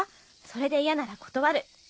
それでイヤなら断る。